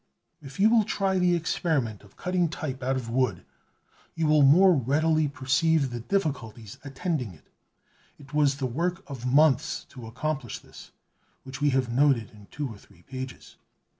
If you will try the experiment of cutting type out of wood, you will more readily perceive the difficulties attending it. It was the work of months to accomplish this, which we have noted in two or three pages.